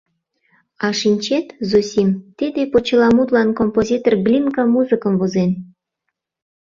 — А шинчет, Зосим, тиде почеламутлан композитор Глинка музыкым возен?